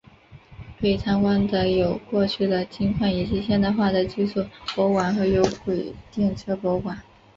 可以参观的有过去的金矿以及现代化的技术博物馆和有轨电车博物馆。